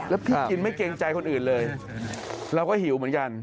แล้วพี่กินไม่เกรงใจคนอื่นเลยเราก็หิวเหมือนกัน